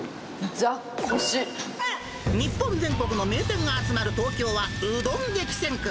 日本全国の名店が集まる東京はうどん激戦区。